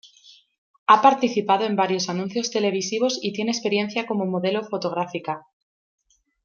Ha participado en varios anuncios televisivos y tiene experiencia como modelo fotográfica.